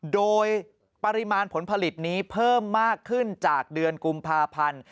โดยปริมาณผลผลิตนี้เพิ่มมากขึ้นจากเดือนกุมภาพันธ์